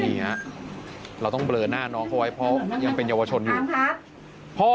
นี่ฮะเราต้องเบลอหน้าน้องเขาไว้เพราะยังเป็นเยาวชนอยู่